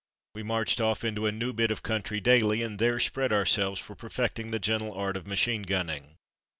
We marched off into a new bit of country daily, and there spread ourselves for per fecting the gentle art of machine gunning.